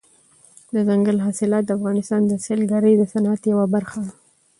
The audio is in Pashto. دځنګل حاصلات د افغانستان د سیلګرۍ د صنعت یوه برخه ده.